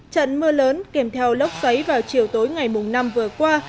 trận mưa lớn kèm theo lóc xoáy vào chiều tối ngày mùng năm vừa qua